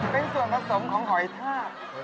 เป็นส่วนผสมของหอยทาก